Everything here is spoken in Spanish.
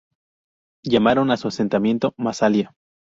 Llamaron a su asentamiento Massalia.